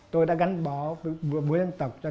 tôi đã gắn bó với mỗi dân tộc